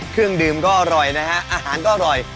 เครื่องดื่มก็อร่อยนะฮะอาหารก็อร่อย